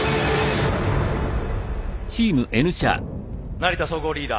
成田総合リーダー